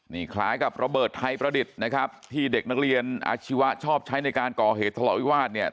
นี่คล้ายกับระเบิดไทยประดิษฐ์นะครับที่เด็กนักเรียนอาชีวะชอบใช้ในการก่อเหตุทะเลาะวิวาสเนี่ย